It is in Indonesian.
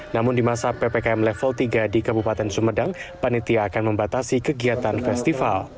namun di masa ppkm level tiga di kabupaten sumedang panitia akan membatasi kegiatan festival